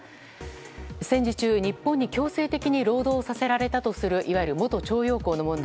戦時中、日本に強制的に労働されられたとするいわゆる元徴用工問題。